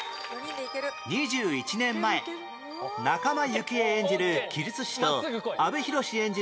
２１年前仲間由紀恵演じる奇術師と阿部寛演じる